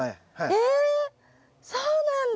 えっそうなんだ！